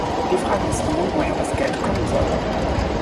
Die Frage ist nun, woher das Geld kommen soll.